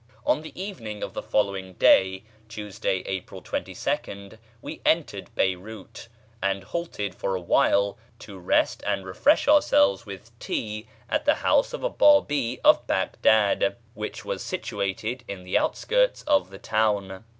On the evening of the following day (Tuesday, April 22nd) we entered Beyrout, and halted for a while to rest and refresh ourselves with tea at the house of a Bábí of Baghdad which was situated in the outskirts of the town.